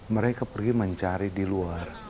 mereka pergi mencari di luar